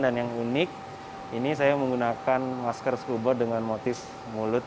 dan yang unik ini saya menggunakan masker scuba dengan motif mulut